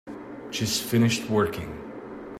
Just finished working.